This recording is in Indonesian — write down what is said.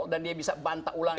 dan dia bisa bantah ulang